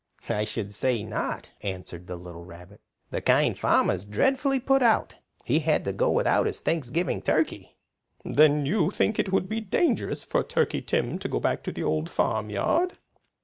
"I should say not," answered the little rabbit. "The Kind Farmer's dreadfully put out. He had to go without his Thanksgiving turkey!" "Then you think it would be dangerous for Turkey Tim to go back to the Old Farmyard?"